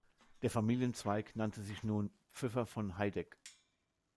Der Familienzweig nannte sich nun "Pfyffer von Heidegg".